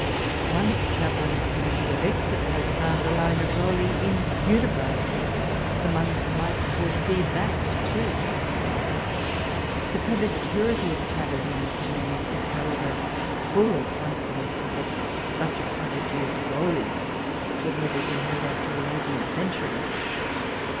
One of the chaplains of the Bishop of Exeter has found a line of Rowley in " Hudi bras "— the monk might foresee that too I The prematurity of Chatterton's genius is, however, full as wonderful, as that such a prodigy as Rowley should never have been heard of till the eighteenth century.